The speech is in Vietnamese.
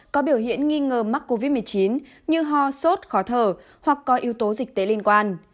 có biểu hiện nghi ngờ mắc covid một mươi chín như ho sốt khó thở hoặc có yếu tố dịch tễ liên quan